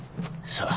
さあ。